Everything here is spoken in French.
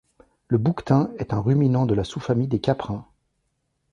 Le bouquetin est un ruminant de la sous-famille des caprins.